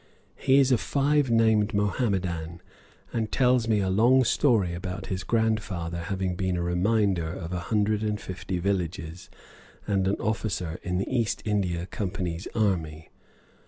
He is a five named Mohammedan, and tells me a long story about his grandfather having been a reminder of a hundred and fifty villages, and an officer in the East India Company's army.